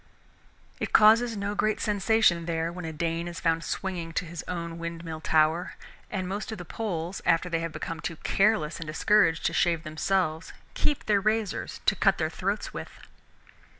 It causes no great sensation there when a Dane is found swinging to his own windmill tower, and most of the Poles after they have become too careless and discouraged to shave themselves keep their razors to cut their throats with.